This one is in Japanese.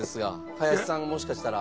林さんがもしかしたら。